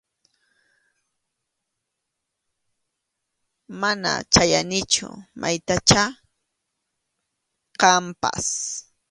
Mana yachanichu maytachá kanpas.